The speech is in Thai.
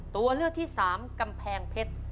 ตัวเลือกที่สามกำแพงเพชร